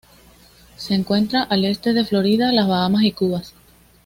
Se encuentra al este de Florida, las Bahamas y Cuba.